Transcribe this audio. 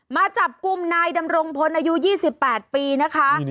มาจับกลุ่มนายดำรงพลอายุ๒๘ปีนะคะ